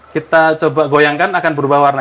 kita coba goyangkan akan berubah warna